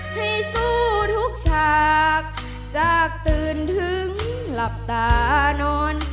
ให้สู้ทุกฉากจากตื่นถึงหลับตานอน